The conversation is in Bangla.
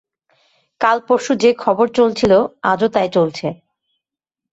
কাল-পরশু যে-খবর চলছিল আজও তাই চলছে।